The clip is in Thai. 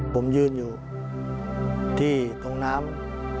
ผมยืนอยู่ที่ห้องน้ำ